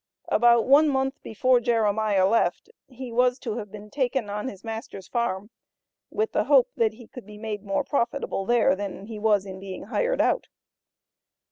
About one month before Jeremiah left, he was to have been taken on his master's farm, with the hope that he could be made more profitable there than he was in being hired out.